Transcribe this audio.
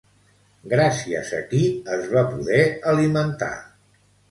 Gràcies a qui es va poder alimentar?